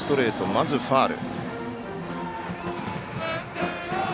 まずファウル。